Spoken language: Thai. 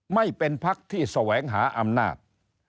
ไม่เป็นพักที่แสวงหาอำนาจ